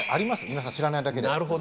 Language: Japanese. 皆さん知らないだけで。